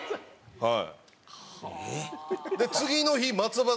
はい。